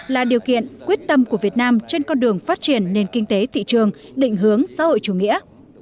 là điều kiện quyết tâm của việt nam trên con đường phát triển nền kinh tế thị trường định hướng xã hội chủ nghĩa